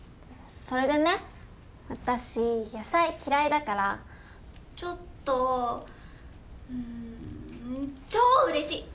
それでね私野菜嫌いだからちょっとうん超うれしい！